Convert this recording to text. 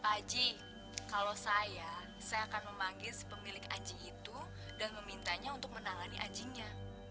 aji kalau saya saya akan memanggil si pemilik anjing itu dan memintanya untuk menangani anjingnya